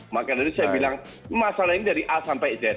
maka dari saya bilang masalah ini dari a sampai z